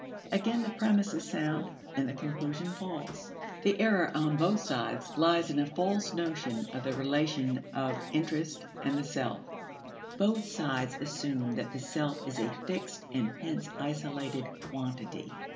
Again the premise is sound, and the conclusion false. The error on both sides lies in a false notion of the relation of interest and the self. Both sides assume that the self is a fixed and hence isolated quantity.